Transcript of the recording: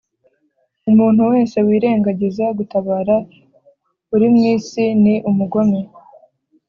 Umuntu wese wirengagiza gutabara uri mu isi ni umugome